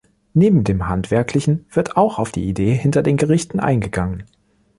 Neben dem Handwerklichen wird auch auf die Idee hinter den Gerichten eingegangen.